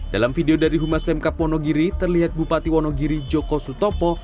dalam video dari humas pemkap wonogiri terlihat bupati wonogiri joko sutopo